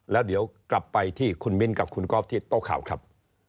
แล้วเดี๋ยวกลับไปที่คุณมิ้นกับคุณก๊อฟที่โต๊ะข่าวครับ